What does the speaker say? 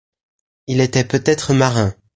Il était peut-être marin.